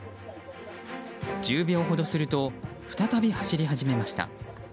１０秒ほどすると再び走り始めました。